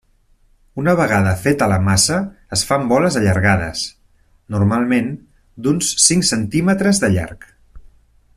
Una vegada feta la massa es fan boles allargades, normalment d'uns cinc centímetres de llarg.